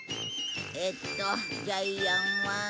えっとジャイアンは。